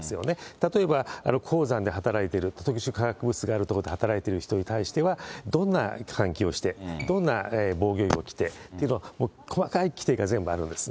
例えば鉱山で働いてる特殊化学物がある所で働いている人に対しては、どんな喚起をして、どんな防御着を着てっていうのを、細かい規定が全部あるんですね。